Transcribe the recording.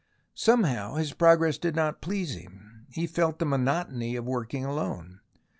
Somehow his progress did not please him, he felt the monotony of working alone.